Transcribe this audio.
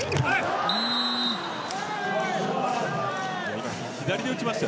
今は左で打ちました。